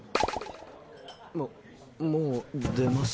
ももう出ます。